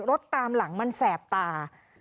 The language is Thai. รถตามหลังมันแสบตา